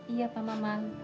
iya pak maman